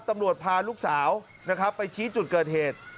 ตำรวจพาลูกสาวนะครับไปชี้จุดเกิดเหตุ